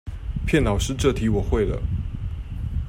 騙老師這題我會了